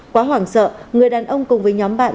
quá hoảng sợ người đàn ông cùng với nhóm bạn